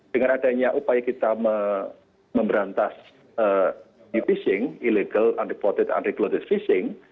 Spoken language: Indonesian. dengan adanya upaya kita memberantas di fishing illegal undeported unregulated fishing